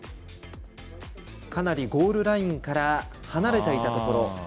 かなりゴールラインから離れていたところ。